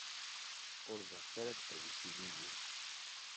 Ur zerrit ara ddaw yisiliyen.